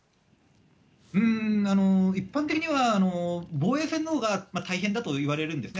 一般的には防衛戦のほうが大変だといわれるんですね。